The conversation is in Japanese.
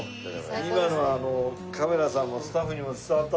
今のはカメラさんもスタッフにも伝わったと思います。